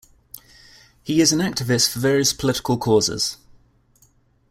He is an activist for various political causes.